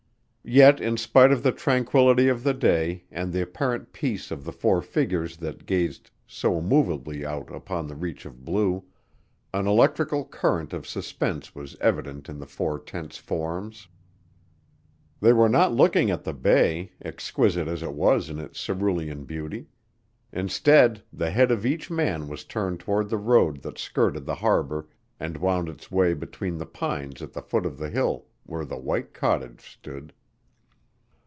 Yet in spite of the tranquillity of the day and the apparent peace of the four figures that gazed so immovably out upon the reach of blue, an electrical current of suspense was evident in the four tense forms. They were not looking at the bay, exquisite as it was in its cerulean beauty. Instead, the head of each man was turned toward the road that skirted the harbor and wound its way between the pines at the foot of the hill where the white cottage stood.